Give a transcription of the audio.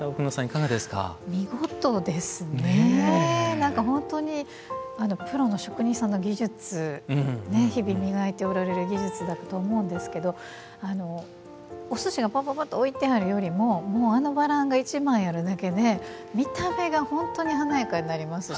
何か本当にプロの職人さんの技術日々磨いておられる技術だと思うんですけどお寿司がパパパッと置いてあるよりもあのバランが１枚あるだけで見た目が本当に華やかになりますし。